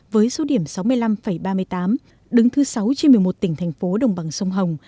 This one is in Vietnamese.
với số điểm sáu mươi năm ba mươi tám đứng thứ sáu trên một mươi một tỉnh thành phố đồng bằng sông hồng